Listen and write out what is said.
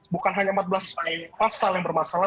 bukan hanya empat belas pasal yang bermasalah